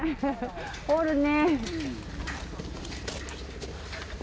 おるね。